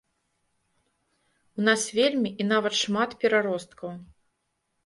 У вас вельмі і нават шмат пераросткаў.